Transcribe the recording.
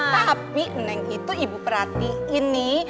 tapi nen itu ibu perhatiin nih